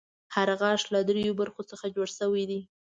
هر غاښ له دریو برخو څخه جوړ شوی دی.